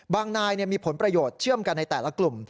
นายมีผลประโยชน์เชื่อมกันในแต่ละกลุ่ม